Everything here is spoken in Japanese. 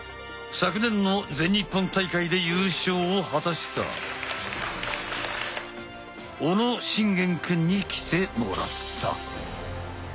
昨年の全日本大会で優勝を果たした小野心源くんに来てもらった。